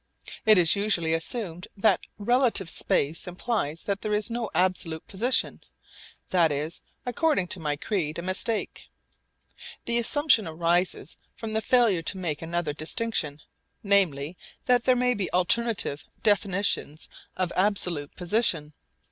It is usually assumed that relative space implies that there is no absolute position. This is, according to my creed, a mistake. The assumption arises from the failure to make another distinction; namely, that there may be alternative definitions of absolute position.